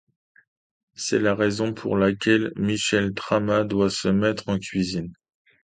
C'est la raison pour laquelle Michel Trama doit se mettre en cuisine.